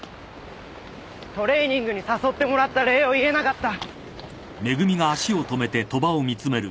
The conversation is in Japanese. トレーニングに誘ってもらった礼を言えなかった。